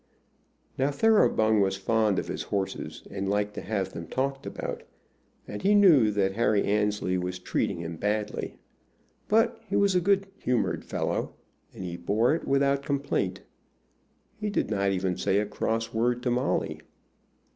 Now, Thoroughbung was fond of his horses, and liked to have them talked about, and he knew that Harry Annesley was treating him badly. But he was a good humored fellow, and he bore it without complaint. He did not even say a cross word to Molly.